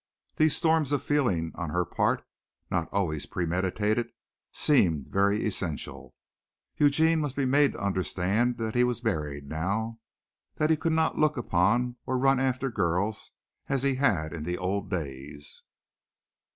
These storms of feeling on her part not always premeditated seemed very essential. Eugene must be made to understand that he was married now; that he could not look upon or run after girls as he had in the old days.